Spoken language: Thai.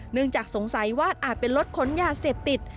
เนื่องจากสงสัยว่าอาจเป็นรถขนยาเสพติด